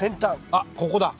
あっここだ。